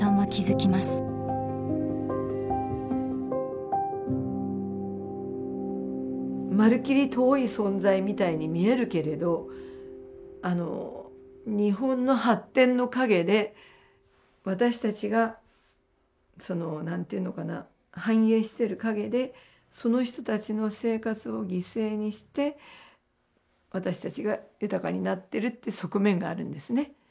まるっきり遠い存在みたいに見えるけれど日本の発展の陰で私たちがその何て言うのかな繁栄している陰でその人たちの生活を犠牲にして私たちが豊かになっているっていう側面があるんですね。